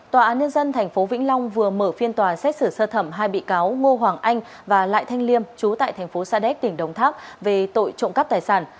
tòa án nhân dân tp vĩnh long vừa mở phiên tòa xét xử sơ thẩm hai bị cáo ngô hoàng anh và lại thanh liêm chú tại tp sadek tỉnh đồng tháp về tội trộm cắp tài sản